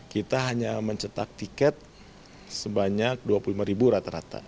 kita hanya mencetak tiket sebanyak dua puluh lima ribu rata rata